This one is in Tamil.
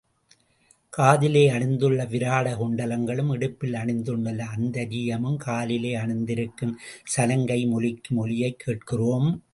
காதிலே அணிந்துள்ள விராட குண்டலங்களும், இடுப்பில் அணிந்துள்ள அந்தரீயமும், காலிலே அணிந்திருக்கும் சலங்கையும் ஒலிக்கும் ஒலியையே கேட்கிறோம் நாம்.